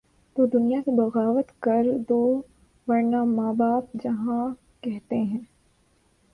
تو دنیا سے بغاوت کر دوورنہ ماں باپ جہاں کہتے ہیں۔